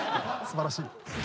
すばらしい。